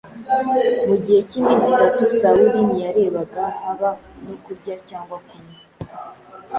Mu gihe cy’iminsi itatu Sawuli “ntiyarebaga, haba no kurya cyangwa kunywa.”